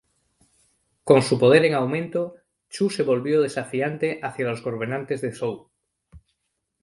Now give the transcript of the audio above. Con su poder en aumento, Chu se volvió desafiante hacia los gobernantes de Zhou.